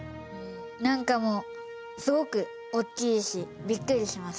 何かもうすごく大きいしびっくりしました。